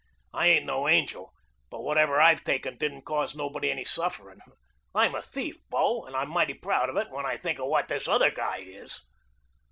I ain't no angel, but whatever I've taken didn't cause nobody any sufferin' I'm a thief, bo, and I'm mighty proud of it when I think of what this other guy is."